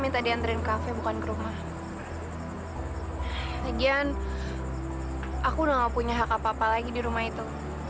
tadi antrein kafe bukan ke rumah hai bagian aku udah nggak punya hak apa apa lagi di rumah itu